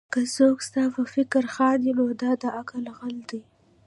که څوک ستا پر فکر خاندي؛ نو دا د عقل غل دئ.